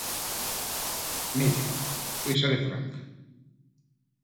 Miri, li seré franc.